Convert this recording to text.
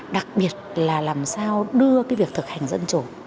đặc biệt là làm sao đưa cái việc thực hành dân chủ